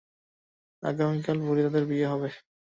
আগামীকাল ভোরে তাদের বিয়ে হবে।